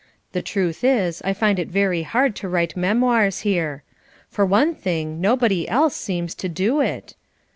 The truth is I find it very hard to write memoirs here. For one thing nobody else seems to do it.